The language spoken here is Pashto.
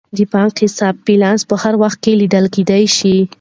د بانکي حساب بیلانس په هر وخت کې لیدل کیدی شي.